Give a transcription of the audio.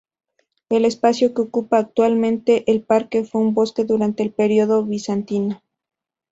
El espacio que ocupa actualmente el parque fue un bosque durante el periodo bizantino.